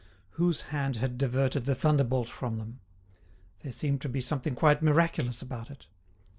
Whose hand had diverted the thunderbolt from them? There seemed to be something quite miraculous about it.